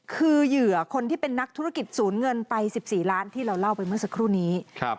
คือเหยื่อคนที่เป็นนักธุรกิจศูนย์เงินไป๑๔ล้านที่เราเล่าไปเมื่อสักครู่นี้